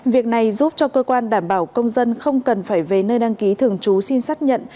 việc này giúp cho cơ quan đảm bảo công dân không cần phải về nơi đăng ký thường trú xin xác nhận